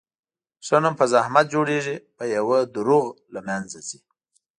ښه نوم په زحمت جوړېږي، په یوه دروغ له منځه ځي.